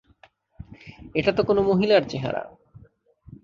এটা তো কোনো মহিলার চেহারা।